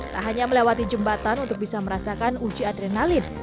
tak hanya melewati jembatan untuk bisa merasakan uji adrenalin